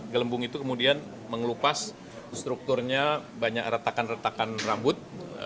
gelembung itu kemudian mengelupas strukturnya banyak retakan retakan rambut